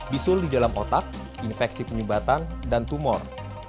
bisul di dalam otak infeksi penyumbatan dan tumor